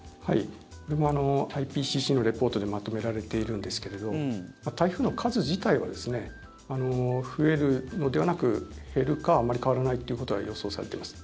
これもＩＰＣＣのリポートでまとめられているんですけれど台風の数自体は増えるのではなく減るかあんまり変わらないということは予想されています。